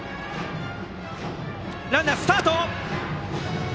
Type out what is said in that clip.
ランナー、スタート。